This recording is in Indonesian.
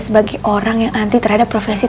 sebagai orang yang anti terhadap profesi